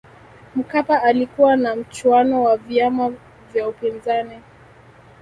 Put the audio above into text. mkapa alikuwa na mchuano wa vyama vya upinzani